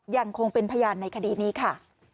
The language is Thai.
ยังคงเป็นพยานในคดีนี้ค่ะ